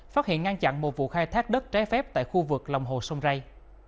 phát hiện ngăn chặn một vụ khai thác đất trái phép tại khu vực lòng hồ sông rây